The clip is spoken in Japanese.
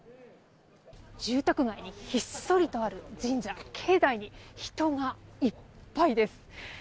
住宅街にひっそりとある神社の境内に人がいっぱいです。